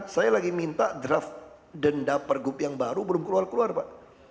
saya lagi minta draft denda pergub yang baru belum keluar keluar pak